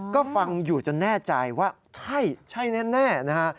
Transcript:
ก็ฟังอยู่จนแน่ใจว่าใช่ใช่แน่นะฮะ